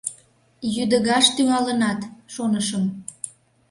— Йӱдыгаш тӱҥалынат, шонышым!